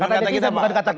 bukan kata kita pak